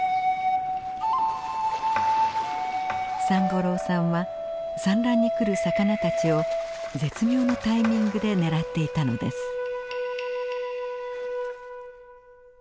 三五郎さんは産卵に来る魚たちを絶妙のタイミングでねらっていたのです。